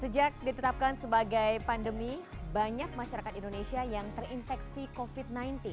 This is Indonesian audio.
sejak ditetapkan sebagai pandemi banyak masyarakat indonesia yang terinfeksi covid sembilan belas